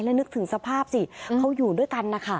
แล้วนึกถึงสภาพสิเขาอยู่ด้วยกันนะคะ